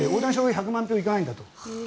１００万票行かないんだって。